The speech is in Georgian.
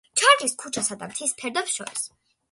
ჩარგლის ქუჩასა და მთის ფერდობს შორის.